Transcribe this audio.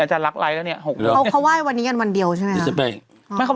เขาว่ายวันนี้กันวันเดียวใช่ไหมครับ